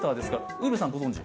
ウルヴェさん、ご存じ？